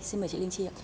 xin mời chị linh chi ạ